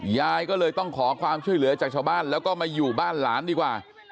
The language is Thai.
ยายก็เลยต้องขอความช่วยเหลือจากชาวบ้านแล้วก็มาอยู่บ้านหลานดีกว่า